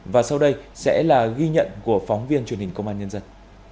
và sau đây sẽ là ghi nhận của phóng viên truyền hình công an nhân dân